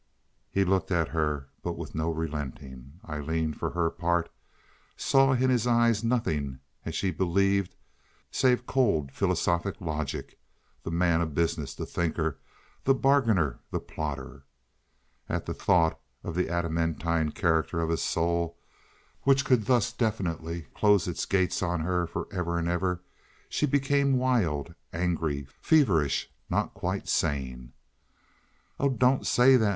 He looked at her, but with no relenting. Aileen, for her part, saw in his eyes nothing, as she believed, save cold philosophic logic—the man of business, the thinker, the bargainer, the plotter. At the thought of the adamantine character of his soul, which could thus definitely close its gates on her for ever and ever, she became wild, angry, feverish—not quite sane. "Oh, don't say that!"